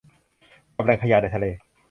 กับแหล่งขยะในทะเล